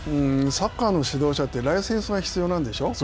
サッカーの指導者ってライセンスが必要なんでしょう。